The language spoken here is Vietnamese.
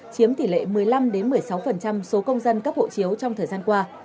chiếm tỷ lệ một mươi năm một mươi sáu số công dân cấp hộ chiếu trong thời gian qua